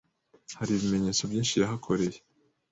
hari ibimenyetso byinshi yahakoreye